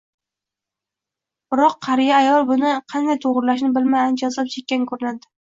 Biroq qariya ayol buni qanday toʻgʻrilashni bilmay ancha azob chekkan koʻrinadi